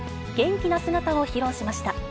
元気な姿を披露しました。